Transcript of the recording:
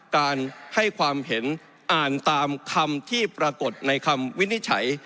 การให้ความเห็นอ่านตามคำที่ปรากฏในคำวินิจฉัย